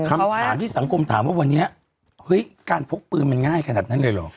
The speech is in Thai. คำถามที่สังคมถามว่าวันนี้เฮ้ยการพกปืนมันง่ายขนาดนั้นเลยเหรอ